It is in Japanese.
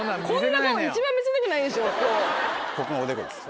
ここがおでこです。